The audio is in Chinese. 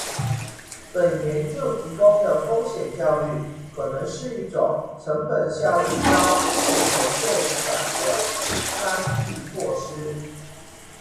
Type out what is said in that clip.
本研究提供的风险教育可能是一种成本效益高且可扩展的干预措施